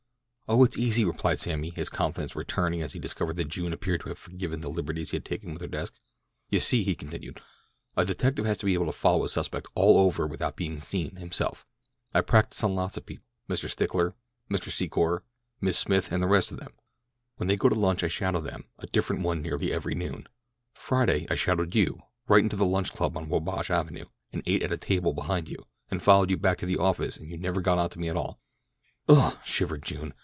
"Oh, it's easy," replied Sammy, his confidence returning as he discovered that June appeared to have forgiven the liberties he had taken with her desk. "You see," he continued, "a detective has to be able to follow a suspect all over without being seen himself. I practise on lots of people—Mr. Stickler, Mr. Secor, Miss Smith, and the rest of them. When they go to lunch I shadow them, a different one nearly every noon. Friday I shadowed you—right into the Lunch Club on Wabash Avenue, and ate at a table behind you, and followed you back to the office and you never got onto me at all." "Ugh!" shivered June.